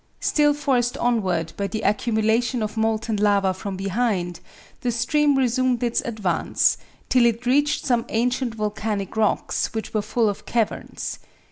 Still forced onward by the accumulation of molten lava from behind, the stream resumed its advance, till it reached some ancient volcanic rocks which were full of caverns.